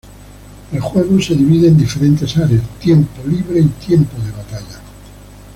El juego se divide en diferentes áreas, tiempo libre y tiempo de batalla.